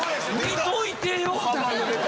見といてよ！